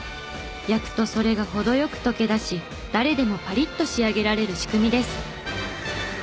焼くとそれが程良く溶け出し誰でもパリッと仕上げられる仕組みです。